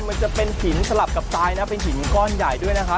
มันจะเป็นหินสลับกับทรายนะเป็นหินก้อนใหญ่ด้วยนะคะ